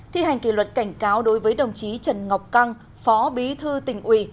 thi hành kỷ luật cảnh cáo đối với đồng chí trần ngọc căng phó bí thư tỉnh ủy